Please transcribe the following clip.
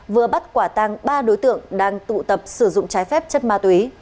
vừa bắt quả tang ba đối tượng đang tụ tập sử dụng trái phép chất ma túy